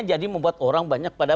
jadi membuat orang banyak pada